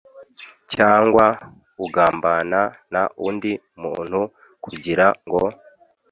cyangwa ugambana n undi muntu kugira ngo